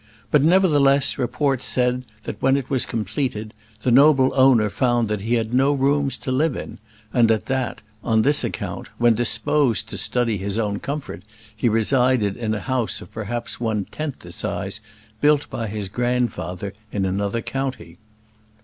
But, nevertheless, report said that when it was completed, the noble owner found that he had no rooms to live in; and that, on this account, when disposed to study his own comfort, he resided in a house of perhaps one tenth the size, built by his grandfather in another county.